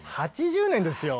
８０年ですよ。